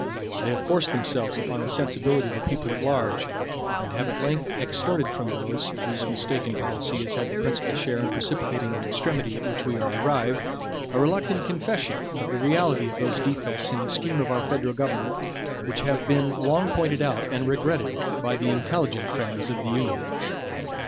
They have forced themselves upon the sensibility of the people at large, and have at length extorted from those, whose mistaken policy has had the principal share in precipitating the extremity at which we are arrived, a reluctant confession of the reality of those defects in the scheme of our federal government, which have been long pointed out and regretted by the intelligent friends of the Union.